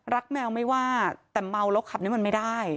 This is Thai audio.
แมวไม่ว่าแต่เมาแล้วขับนี่มันไม่ได้